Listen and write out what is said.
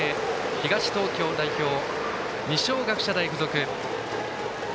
東東京代表、二松学舎大付属。